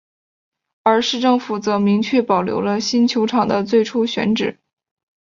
而市政府则明确保留了新球场的最初选址。